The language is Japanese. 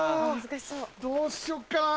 どうしよっかな。